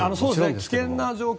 危険な状況